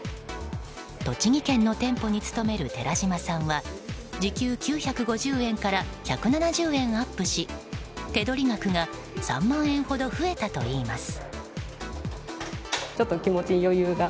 栃木県の店舗に勤める寺島さんは時給９５０円から１７０円アップし手取り額が３万円ほど増えたといいます。